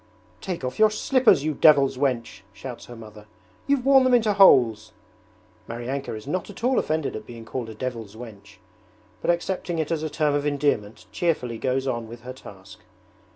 'Take off your slippers, you devil's wench!' shouts her mother, 'you've worn them into holes!' Maryanka is not at all offended at being called a 'devil's wench', but accepting it as a term of endearment cheerfully goes on with her task.